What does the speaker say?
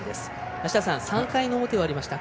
梨田さん、３回の表が終わりました。